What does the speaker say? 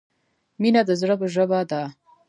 مینه د زړه ژبه ده.